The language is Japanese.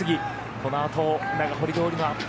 このあと長堀通のアップ